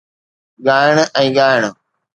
ڳائڻ ، ڳائڻ